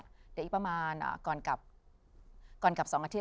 เดี๋ยวอีกประมาณก่อนกลับ๒อาทิต